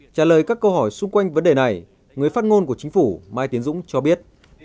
trả lời các câu hỏi xung quanh vấn đề này người phát ngôn của chính phủ mai tiến dũng cho biết